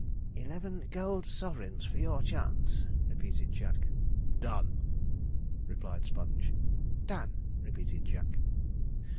'Eleven golden sovereigns for your chance,' repeated Jack. 'Done!' replied Sponge. 'Done!' repeated Jack.